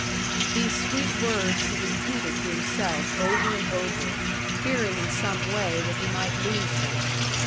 These sweet words he repeated to himself over and over, fearing in some way that he might lose them.